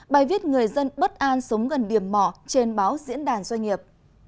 bài viết người dân bất an sống gần điểm mỏ trên báo diễn đàn doanh nghiệp